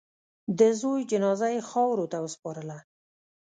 د زوی جنازه یې خاورو ته وسپارله.